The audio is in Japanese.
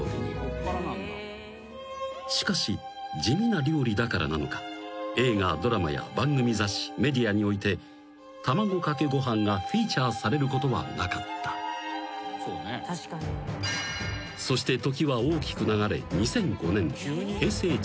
［しかし地味な料理だからなのか映画ドラマや番組雑誌メディアにおいて卵かけご飯がフィーチャーされることはなかった］［そして時は大きく流れ２００５年］